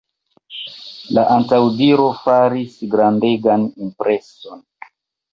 La antaŭdiro faris grandegan impreson.